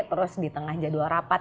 terus di tengah jadwal rapat